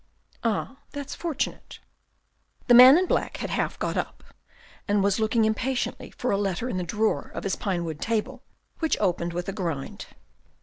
" Ah, that's fortunate." The man in black had half got up, and was looking impatiently for a letter in the drawer of his pinewood table, which opened with a grind.